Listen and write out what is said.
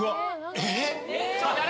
えっ？